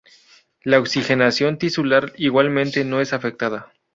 La oxigenación tisular igualmente no es afectada.